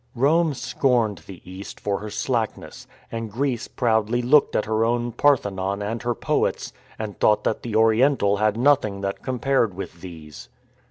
Rome scorned the East for her slackness, and Greece proudly looked at her own Parthenon and her poets and thought that the Oriental had nothing that com pared with these.